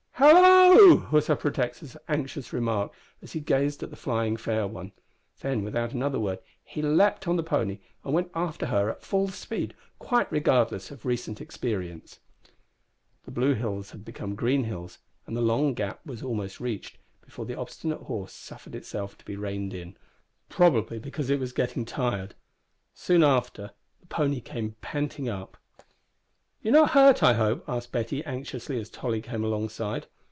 "Hallo!" was her protector's anxious remark as he gazed at the flying fair one. Then, without another word, he leaped on the pony and went after her at full speed, quite regardless of recent experience. The blue hills had become green hills, and the Long Gap was almost reached, before the obstinate horse suffered itself to be reined in probably because it was getting tired. Soon afterwards the pony came panting up. "You're not hurt, I hope?" said Betty, anxiously, as Tolly came alongside.